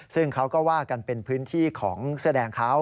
ซึ่งเขาก็ว่ากันเป็นพื้นที่ของเสื้อแดงเขา